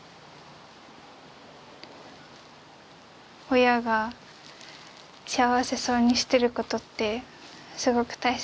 親が幸せそうにしていることってすごく大切。